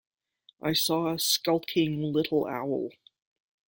I saw a skulking little owl.